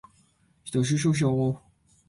北九州市八幡西区